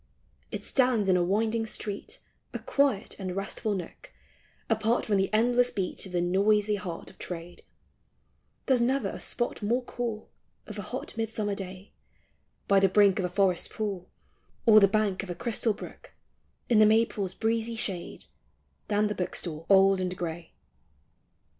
It stands in a winding street, A quiet and restful nook, Apart from the endless beat Of the noisy heart of Trade ; There 's never a spot more cool Of a hot midsummer day By the brink of a forest pool, Or the bank of a crystal brook In the maples' breezy shade, Than the book stall old and gray.